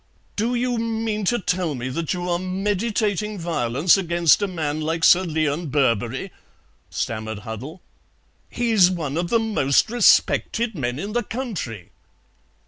"Do you mean to tell me that you are meditating violence against a man like Sir Leon Birberry," stammered Huddle; "he's one of the most respected men in the country."